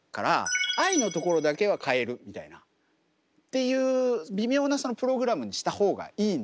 「Ｉ」のところだけは変えるみたいなっていう微妙なプログラムにした方がいいんですよ。